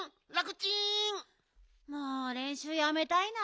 もうれんしゅうやめたいな。